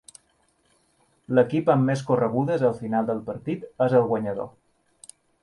L'equip amb més corregudes al final del partit és el guanyador.